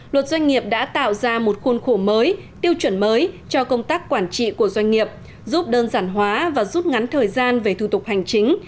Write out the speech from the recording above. luật doanh nghiệp đã tạo ra một khuôn khổ mới tiêu chuẩn mới cho công tác quản trị của doanh nghiệp giúp đơn giản hóa và rút ngắn thời gian về thủ tục hành chính